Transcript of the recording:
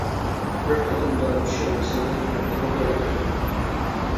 بىر قېتىمدا چۈشەنمىسىڭىز ئۇنى قايتا ئوقۇڭ.